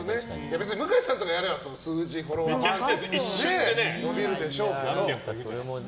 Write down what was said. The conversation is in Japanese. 別に向井さんがやれば数字、フォロワーは一瞬で伸びるでしょうけど。